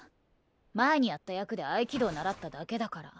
前にやった役で合気道習っただけだから。